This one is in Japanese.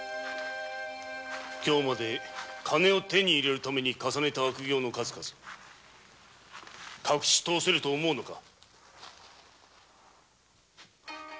今日まで金を手に入れるために重ねた悪業の数々隠し通せると思うのか！